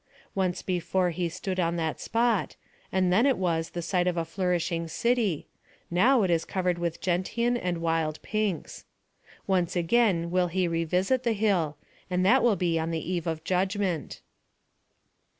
Once before he stood on that spot, and then it was the site of a flourishing city; now it is covered with gentian and wild pinks. Once again will he revisit the hill, and that will be on the eve of Judgment.